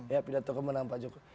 ya pidato kemenang pak jokowi